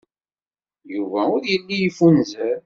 Yuba ur yelli yeffunzer.